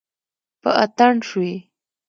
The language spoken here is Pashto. په اتڼ شوي